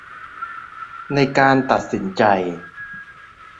ในการตัดสินใจ